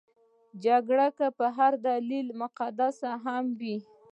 جګړه که په هر دلیل مقدسه هم وي.